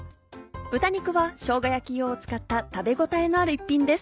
豚肉はしょうが焼き用を使った食べ応えのある一品です。